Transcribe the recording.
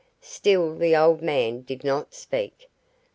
Still the old man did not speak.